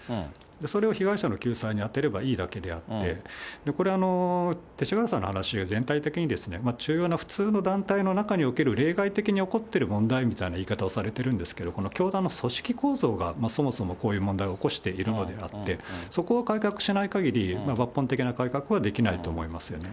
それを被害者の救済に充てればいいだけであって、これ、勅使河原さんの話は全体的に、中庸な普通の団体で例外的に起こっている問題みたいな言い方をされてるんですけど、この教団の組織構造が、そもそもこういう問題を起こしているのであって、そこを改革しないかぎり、抜本的な改革はできないと思いますよね。